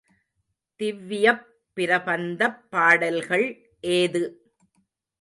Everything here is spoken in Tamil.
திவ்யப் பிரபந்தப் பாடல்கள் ஏது?